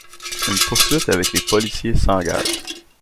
Une poursuite avec les policiers s'engage.